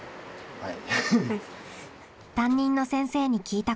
はい。